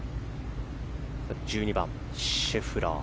１２番、シェフラー。